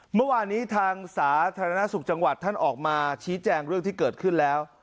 เมื่อวานนี้ทางสาธารณสุขจังหวัดท่านออกมาชี้แจงเรื่องที่เกิดขึ้นแล้ว